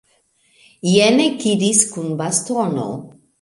Jen ekiris kun bastono!